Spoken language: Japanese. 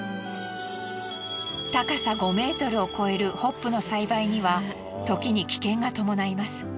高さ５ｍを超えるホップの栽培にはときに危険が伴います。